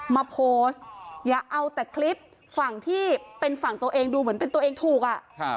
มาโพสต์อย่าเอาแต่คลิปฝั่งที่เป็นฝั่งตัวเองดูเหมือนเป็นตัวเองถูกอ่ะ